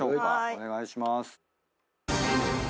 お願いします。